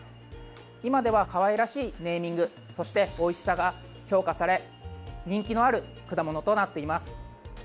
今ではかわいらしいネーミングそして、おいしさが評価され人気のある果物となっています。